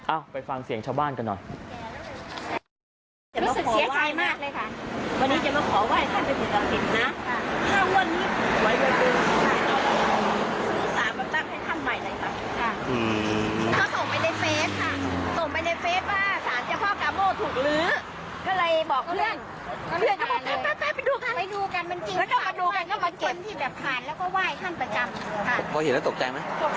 ไปฟังเสียงชาวบ้านกันหน่อย